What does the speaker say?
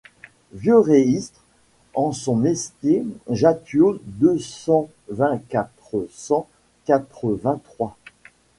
vieux reistre en son mestier Jattiot deux cent vingt-quatre cent quatre-vingt-trois.